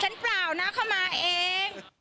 เปล่านะเข้ามาเอง